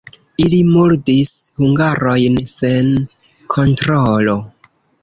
Ili murdis hungarojn sen kontrolo.